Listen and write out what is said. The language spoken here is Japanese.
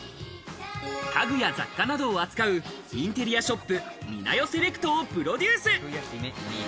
家具や雑貨などを扱うインテリアショップ、ＭｉｎａｙｏＳｅｌｅｃｔをプロデュース。